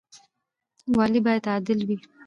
والي باید عادل وي